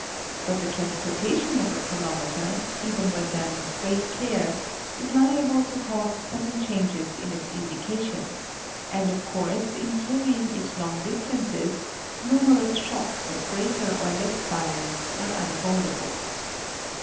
But the transportation of a chronometer, even when done with great care is liable to cause sudden changes in its indications, and of course in carrying it long distances, numerous shocks of greater or less violence are unavoidable.